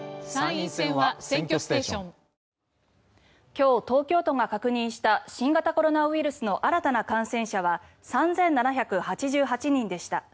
今日、東京都が確認した新型コロナウイルスの新たな感染者は３７８８人でした。